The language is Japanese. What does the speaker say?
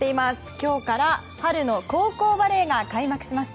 今日から春の高校バレーが開幕しました。